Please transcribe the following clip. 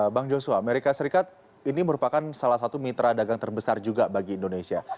bang joshua amerika serikat ini merupakan salah satu mitra dagang terbesar juga bagi indonesia